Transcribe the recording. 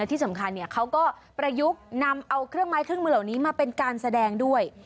ที่สำคัญเขาก็ประยุกต์นำเอาเครื่องไม้เครื่องมือเหล่านี้มาเป็นการแสดงด้วย